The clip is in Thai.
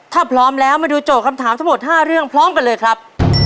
ถ้าพร้อมแล้วมาดูโจทย์คำถามทั้งหมด๕เรื่องพร้อมกันเลยครับ